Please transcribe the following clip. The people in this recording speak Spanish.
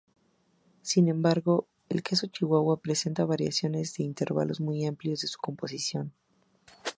Sin embargo, el queso Chihuahua presenta variaciones en intervalos muy amplios de su composición.